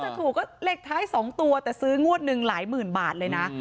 ถ้าถูกก็เลขท้าย๒ตัวแต่ซื้องวดหนึ่งหลายหมื่นบาทเลยนะ